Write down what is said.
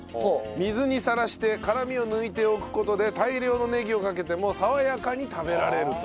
水にさらして辛みを抜いておく事で大量のねぎをかけても爽やかに食べられると。